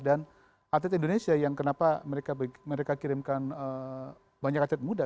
dan artis indonesia yang kenapa mereka mereka kirimkan banyak artis muda